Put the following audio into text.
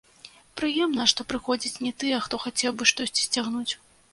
Прыемна, што прыходзяць не тыя, хто хацеў бы штосьці сцягнуць.